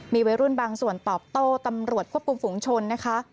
มีวัยรุ่นบางส่วนตอบโต้ตำรวจควบคุมฝุงชนนะคะ